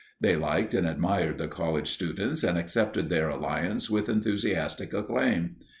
They liked and admired the college students and accepted their alliance with enthusiastic acclaim.